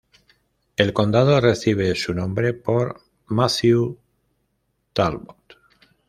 El condado recibe su nombre por Matthew Talbot.